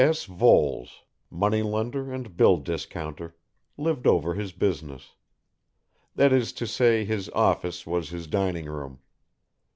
S. Voles, money lender and bill discounter, lived over his business. That is to say his office was his dining room.